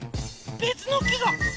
べつの木が！